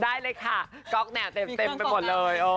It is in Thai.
ได้เลยค่ะก็กแหน่งเต็มไปหมดเลย